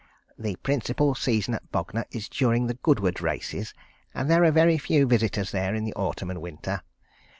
The principal season at Bognor is during the Goodwood races, and there are very few visitors there in the autumn and winter.